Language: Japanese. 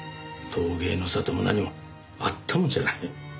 陶芸の里も何もあったもんじゃない。